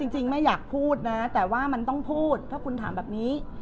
ไม่อยากพูดนะแต่ว่ามันต้องพูดถ้าคุณถามแบบนี้